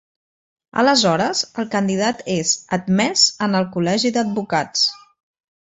Aleshores, el candidat és "admès en el Col·legi d'advocats".